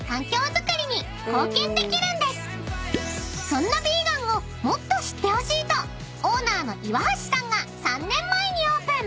［そんなヴィーガンをもっと知ってほしいとオーナーの岩橋さんが３年前にオープン］